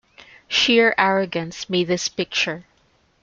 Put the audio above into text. Sheer arrogance made this picture.